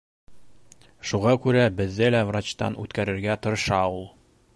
Шуға күрә беҙҙе лә врачтан үткәрергә тырыша ул.